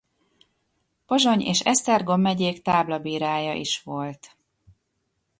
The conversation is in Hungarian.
Pozsony és Esztergom megyék táblabírája is volt.